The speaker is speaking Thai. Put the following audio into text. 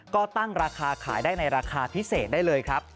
ก็ตั้งราคาขายได้ในราคาพิเศษได้เลยครับ